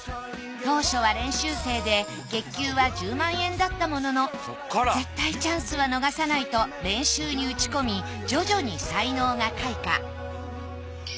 当初は練習生で月給は１０万円だったものの絶対チャンスは逃さないと練習に打ち込み徐々に才能が開花。